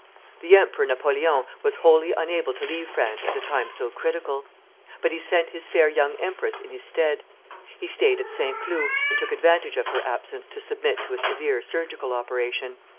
The Emperor Napoleon was wholly unable to leave France at a time so critical; but he sent his fair young empress in his stead. He stayed at Saint Cloud, and took advantage of her absence to submit to a severe surgical operation.